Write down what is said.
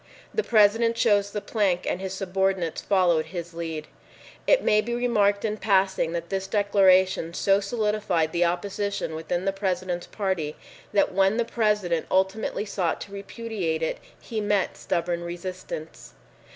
The President chose the plank and his subordinates followed his lead. It may be remarked in passing that this declaration so solidified the opposition within the President's party that when the President ultimately sought to repudiate it, he met stubborn resistance.